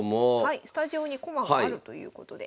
スタジオに駒があるということで是非。